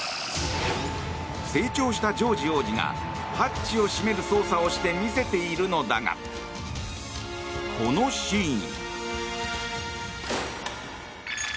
成長したジョージ王子がハッチを閉める操作をして見せているのだがこのシーン。